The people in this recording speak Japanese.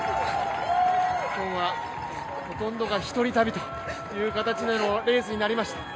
今日はほとんどが一人旅という形のレースになりました。